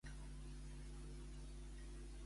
Es farà a la meva localització el "Vida Festival"?